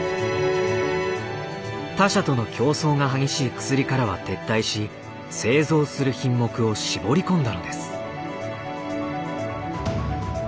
他社との競争が激しい薬からは撤退し製造する品目を絞り込んだのです。